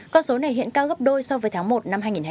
con số này hiện cao gấp đôi so với tháng một năm hai nghìn hai mươi